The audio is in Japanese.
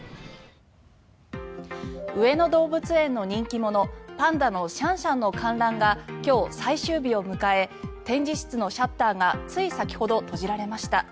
上野動物園の人気者パンダのシャンシャンの観覧が今日、最終日を迎え展示室のシャッターがつい先ほど閉じられました。